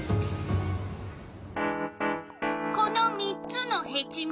この３つのヘチマ。